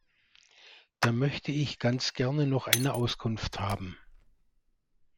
Da möchte ich ganz gerne noch eine Auskunft haben.